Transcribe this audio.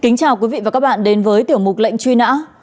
kính chào quý vị và các bạn đến với tiểu mục lệnh truy nã